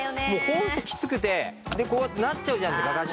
ホントきつくてでこうやってなっちゃうじゃないですか。